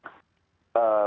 seperti apa dr domi